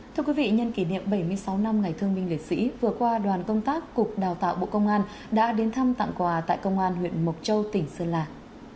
thưa quý vị nhân kỷ niệm bảy mươi sáu năm ngày thương minh liệt sĩ vừa qua đoàn công tác cục đào tạo bộ công an đã đến thăm tặng quà tại công an huyện mộc châu tỉnh sơn lạc